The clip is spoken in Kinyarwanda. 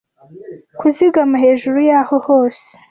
kuzigama hejuru yaho hose